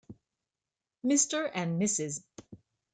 Mr. and Ms.